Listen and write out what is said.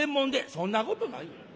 「そんなことない。